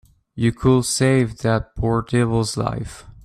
You could save that poor devil's life.